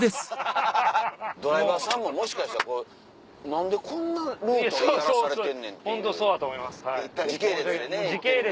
ドライバーさんももしかしたら「何でこんなルートやらされてんねん」っていう。